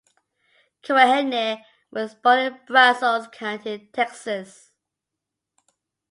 Kuehne was born in Brazos County, Texas.